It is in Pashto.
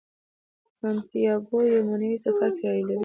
سانتیاګو یو معنوي سفر پیلوي.